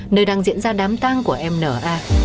nơi đang diễn ra đám tang của em n a